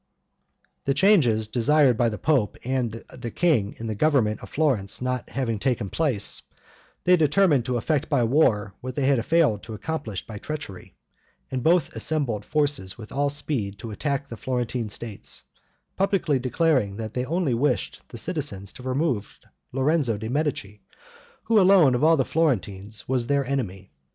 The changes desired by the pope and the king in the government of Florence, not having taken place, they determined to effect by war what they had failed to accomplish by treachery; and both assembled forces with all speed to attack the Florentine states; publicly declaring that they only wished the citizens to remove Lorenzo de' Medici, who alone of all the Florentines was their enemy.